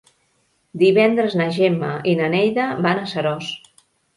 Divendres na Gemma i na Neida van a Seròs.